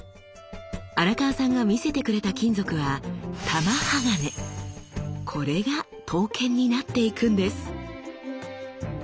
荒川さんが見せてくれた金属はこれが刀剣になっていくんです。